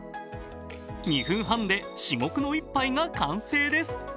２分半で珠玉の１杯が完成です。